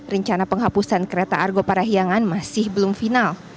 rencana penghapusan kereta argo parahiangan masih belum final